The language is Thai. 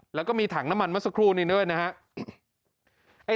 แล้วก็มีถังน้ำมันเมื่อสักครู่นี้ด้วยนะครับ